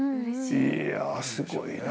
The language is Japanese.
いやぁすごいな。